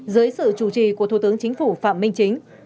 dưới sự chủ trì của thủ tướng chính phủ phạm minh chính